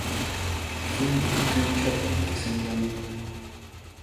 歡迎捐出您既聲音